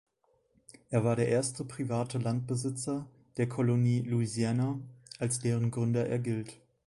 Er war der erste private Landbesitzer der Kolonie Louisiana, als deren Gründer er gilt.